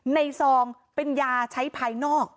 ซองเป็นยาใช้ภายนอก